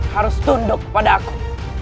harus tunduk pada aku